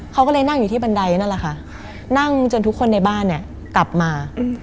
เขาก็เลยนั่งอยู่ที่บันไดนั่นแหละค่ะนั่งจนทุกคนในบ้านเนี่ยกลับมา